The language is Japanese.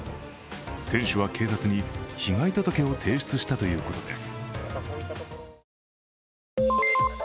店主は警察に被害届を提出したということです。